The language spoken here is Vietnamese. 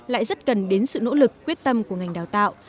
lại rất cần đến sự nỗ lực quyết tâm của ngành đào tạo